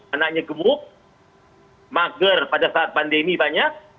anaknya gemuk mager pada saat pandemi banyak